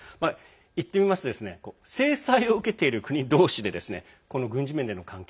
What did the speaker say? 言ってみますと制裁を受けている国同士で軍事面での関係